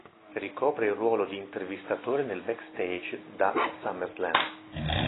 Ricopre il ruolo di intervistatore nel backstage da SummerSlam.